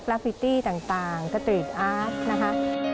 ฟิตี้ต่างสตรีทอาร์ตนะคะ